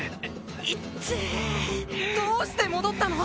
痛えどうして戻ったの？